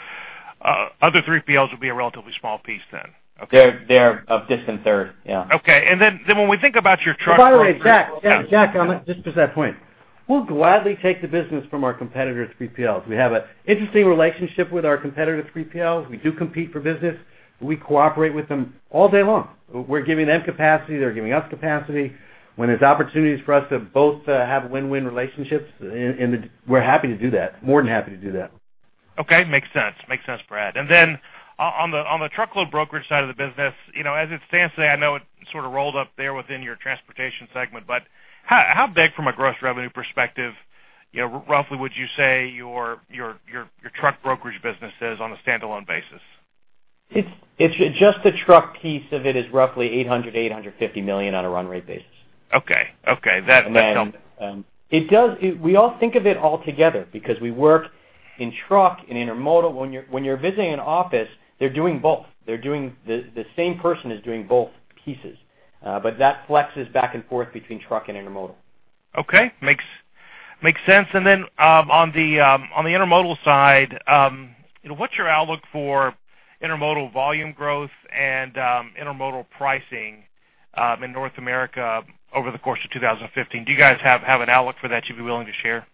other 3PLs would be a relatively small piece then? Okay. They're a distant third, yeah. Okay. And then, when we think about your truck. By the way, Jack, Jack, I'm gonna add to that point. We'll gladly take the business from our competitor 3PLs. We have an interesting relationship with our competitor 3PLs. We do compete for business. We cooperate with them all day long. We're giving them capacity; they're giving us capacity. When there's opportunities for us to both have win-win relationships, in the -- we're happy to do that. More than happy to do that. Okay, makes sense. Makes sense, Brad. And then on the truckload brokerage side of the business, you know, as it stands today, I know it sort of rolled up there within your transportation segment, but how big from a gross revenue perspective, you know, roughly would you say your truck brokerage business is on a standalone basis? It's just the truck piece of it is roughly $800 million-$850 million on a run rate basis. Okay. Okay, that, that's helpful. It does. We all think of it all together because we work in truck and intermodal. When you're visiting an office, they're doing both. The same person is doing both pieces, but that flexes back and forth between truck and intermodal. Okay, makes sense. And then, on the intermodal side, you know, what's your outlook for intermodal volume growth and intermodal pricing in North America over the course of 2015? Do you guys have an outlook for that you'd be willing to share?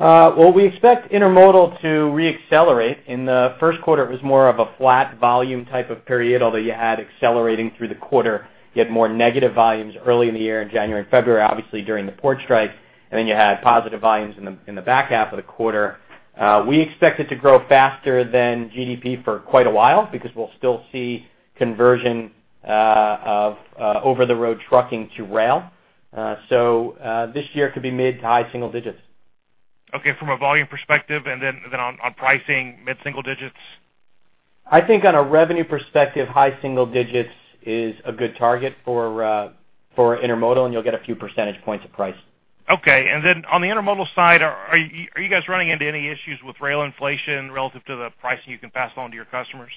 Well, we expect intermodal to reaccelerate. In the first quarter, it was more of a flat volume type of period, although you had accelerating through the quarter. You had more negative volumes early in the year, in January and February, obviously, during the port strike, and then you had positive volumes in the, in the back half of the quarter. We expect it to grow faster than GDP for quite a while because we'll still see conversion, of, over-the-road trucking to rail. So, this year could be mid to high single digits. Okay, from a volume perspective, and then on pricing, mid-single digits? I think on a revenue perspective, high single digits is a good target for intermodal, and you'll get a few percentage points of price. Okay. And then on the intermodal side, are you guys running into any issues with rail inflation relative to the pricing you can pass on to your customers?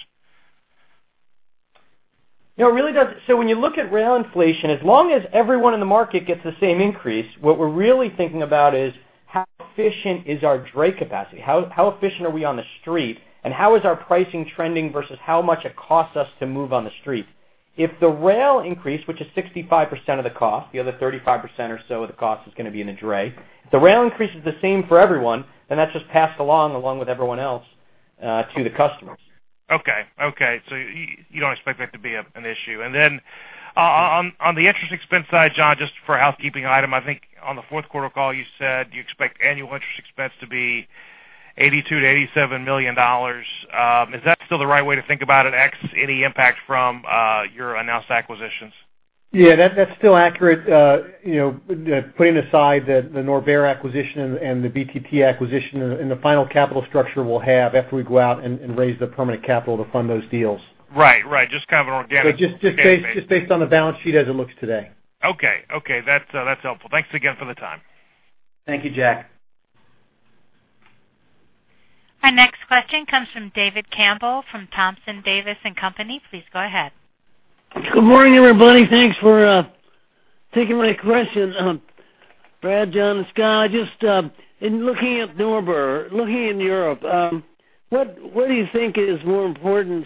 You know, it really does. So when you look at rail inflation, as long as everyone in the market gets the same increase, what we're really thinking about is, how efficient is our dray capacity? How efficient are we on the street, and how is our pricing trending versus how much it costs us to move on the street? If the rail increase, which is 65% of the cost, the other 35% or so of the cost is going to be in the dray. If the rail increase is the same for everyone, then that's just passed along, along with everyone else, to the customers. Okay, okay. So you don't expect that to be an issue. And then, on the interest expense side, John, just for a housekeeping item, I think on the fourth quarter call, you said you expect annual interest expense to be $82 million-$87 million. Is that still the right way to think about it, ex any impact from your announced acquisitions? Yeah, that, that's still accurate. You know, putting aside the Norbert acquisition and the BTT acquisition and the final capital structure we'll have after we go out and raise the permanent capital to fund those deals. Right, right. Just kind of an organic- Just based on the balance sheet as it looks today. Okay. Okay, that's, that's helpful. Thanks again for the time. Thank you, Jack. Our next question comes from David Campbell, from Thompson Davis & Company. Please go ahead. Good morning, everybody. Thanks for taking my question. Brad, John, and Scott, just, in looking at Norbert, looking in Europe, what do you think is more important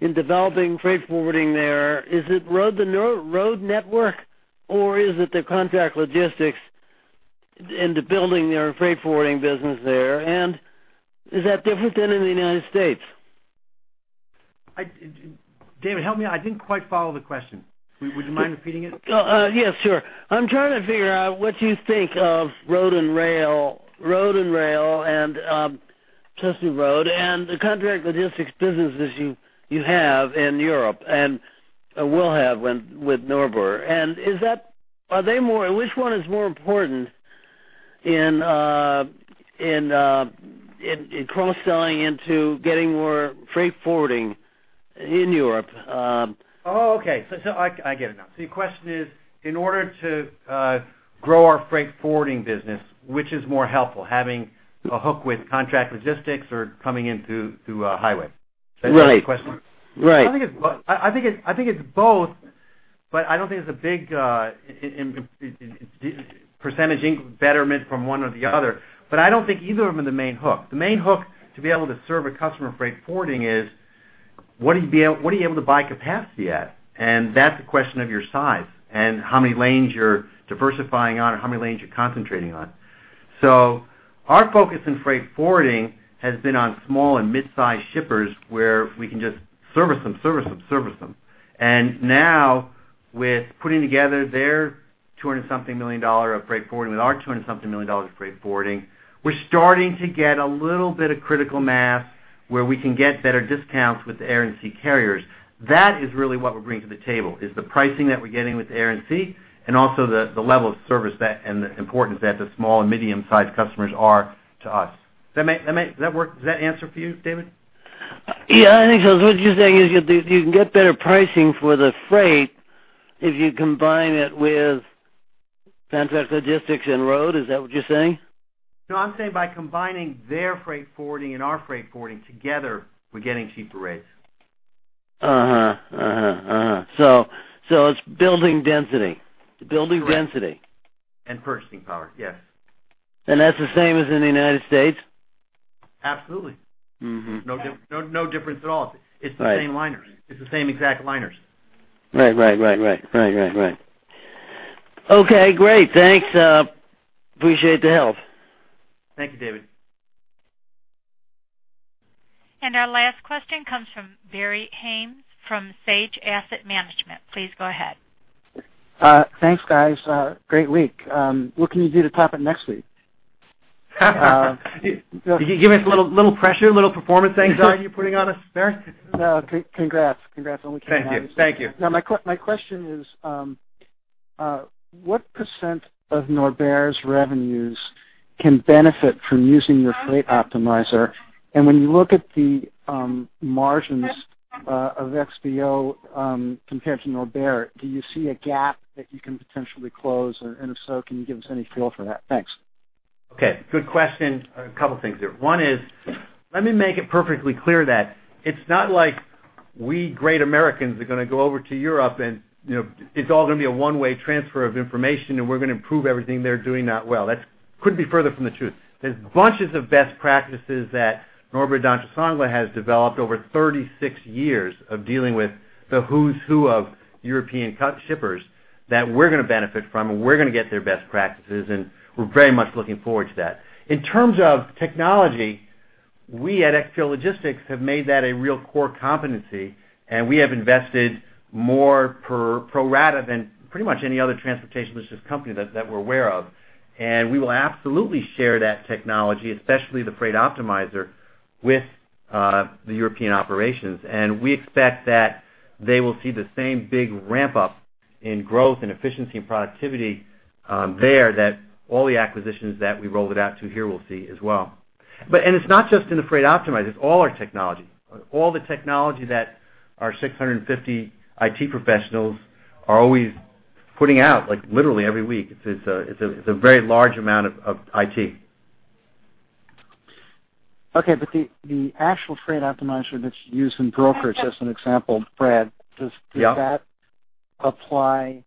in developing freight forwarding there? Is it road, the road network, or is it the contract logistics and the building their freight forwarding business there, and is that different than in the United States? David, help me, I didn't quite follow the question. Would you mind repeating it? Yes, sure. I'm trying to figure out what you think of road and rail, road and rail, and just road, and the contract logistics businesses you have in Europe and will have with Norbert. And is that, are they more- Which one is more important in cross-selling into getting more freight forwarding in Europe? Oh, okay. So, so I, I get it now. So your question is, in order to grow our freight forwarding business, which is more helpful, having a hook with contract logistics or coming in through, through highway? Right. Is that the question? Right. I think it's both. But I don't think there's a big percentage betterment from one or the other, but I don't think either of them are the main hook. The main hook to be able to serve a customer freight forwarding is, what are you able to buy capacity at? And that's a question of your size and how many lanes you're diversifying on, or how many lanes you're concentrating on. So our focus in freight forwarding has been on small and mid-sized shippers, where we can just service them, service them, service them. And now, with putting together their $200-something million of freight forwarding with our $200-something million of freight forwarding, we're starting to get a little bit of critical mass where we can get better discounts with air and sea carriers. That is really what we're bringing to the table, is the pricing that we're getting with air and sea, and also the level of service that, and the importance that the small and medium-sized customers are to us. Does that make sense? Does that work? Does that answer for you, David? Yeah, I think so. What you're saying is you, you can get better pricing for the freight if you combine it with contract logistics and road. Is that what you're saying? No, I'm saying by combining their freight forwarding and our freight forwarding together, we're getting cheaper rates. Uh-huh. Uh-huh. Uh-huh. So, it's building density. Correct. Building density. Purchasing power, yes. That's the same as in the United States? Absolutely. Mm-hmm. No, no difference at all. Right. It's the same liners. It's the same exact liners. Right, right, right, right, right, right, right. Okay, great! Thanks. Appreciate the help. Thank you, David. Our last question comes from Barry Haimes, from Sage Asset Management. Please go ahead. Thanks, guys. Great week. What can you do to top it next week? You giving us a little, little pressure, a little performance anxiety you're putting on us, Barry? No, congrats. Congrats on the. Thank you. Thank you. Now, my question is, what percent of Norbert's revenues can benefit from using your Freight Optimizer? And when you look at the margins of XPO compared to Norbert, do you see a gap that you can potentially close? And if so, can you give us any feel for that? Thanks. Okay, good question. A couple things here. One is, let me make it perfectly clear that it's not like we, great Americans, are gonna go over to Europe and, you know, it's all gonna be a one-way transfer of information, and we're gonna improve everything they're doing not well. That couldn't be further from the truth. There's bunches of best practices that Norbert Dentressangle has developed over 36 years of dealing with the who's who of European contract shippers that we're gonna benefit from, and we're gonna get their best practices, and we're very much looking forward to that. In terms of technology, we at XPO Logistics have made that a real core competency, and we have invested more per pro rata than pretty much any other transportation logistics company that we're aware of. And we will absolutely share that technology, especially the Freight Optimizer, with the European operations. And we expect that they will see the same big ramp-up in growth and efficiency and productivity there, that all the acquisitions that we rolled it out to here will see as well. And it's not just in the Freight Optimizer, it's all our technology. All the technology that our 650 IT professionals are always putting out, like, literally every week. It's a very large amount of IT. Okay, but the actual Freight Optimizer that's used in brokerage, as an example, Brad. Yeah. Does that apply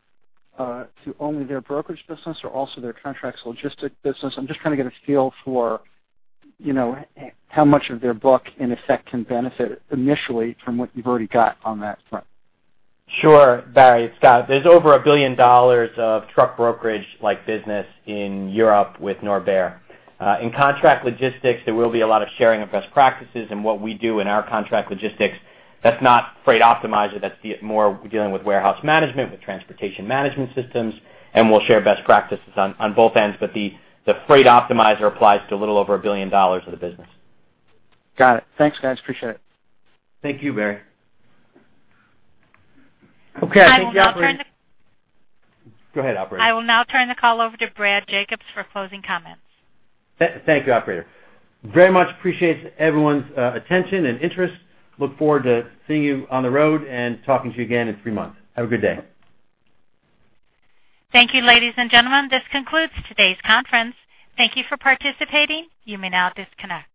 to only their brokerage business or also their contract logistics business? I'm just trying to get a feel for, you know, how much of their book, in effect, can benefit initially from what you've already got on that front. Sure, Barry, it's Scott. There's over $1 billion of truck brokerage like business in Europe with Norbert. In contract logistics, there will be a lot of sharing of best practices and what we do in our contract logistics. That's not Freight Optimizer, that's the more dealing with warehouse management, with transportation management systems, and we'll share best practices on both ends. But the Freight Optimizer applies to a little over $1 billion of the business. Got it. Thanks, guys. Appreciate it. Thank you, Barry. Okay, I think the operator. I will now turn the. Go ahead, operator. I will now turn the call over to Brad Jacobs for closing comments. Thank you, operator. Very much appreciate everyone's attention and interest. Look forward to seeing you on the road and talking to you again in three months. Have a good day. Thank you, ladies and gentlemen. This concludes today's conference. Thank you for participating. You may now disconnect.